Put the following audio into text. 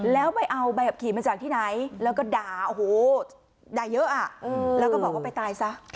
แล้วไปเอาใบขับขี่มาจากที่ไหนแล้วก็ด่าโอ้โหด่าเยอะแล้วก็บอกว่าไปตายซะ